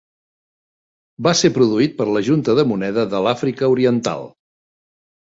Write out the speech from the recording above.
Va ser produït per la Junta de Moneda de l'Àfrica Oriental.